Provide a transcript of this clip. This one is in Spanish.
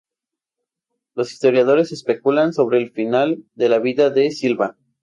Los historiadores especulan sobre el final de la vida de Silva.